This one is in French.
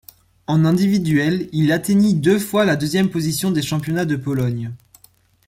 En individuel, il atteignit deux fois la deuxième position des Championnats de Pologne.